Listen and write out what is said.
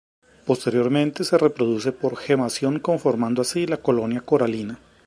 Posteriormente se reproduce por gemación, conformando así la colonia coralina.